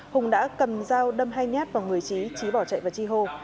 hùng đã cầm dao đâm hai nhát vào người chí chí bỏ chạy vào chi hồ